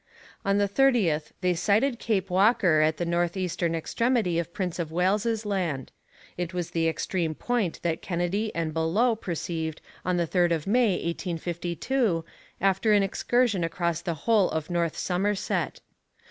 On the 30th they sighted Cape Walker at the north eastern extremity of Prince of Wales's Land; it was the extreme point that Kennedy and Bellot perceived on the 3rd of May, 1852, after an excursion across the whole of North Somerset.